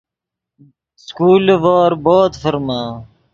سکول لیڤور بود ڤرمے